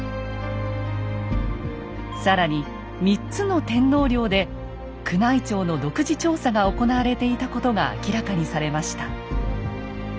更に３つの天皇陵で宮内庁の独自調査が行われていたことが明らかにされました。